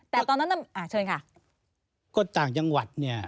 แต่ตอนนั้นอ่าเชิญค่ะก็ต่างจังหวัดเนี่ย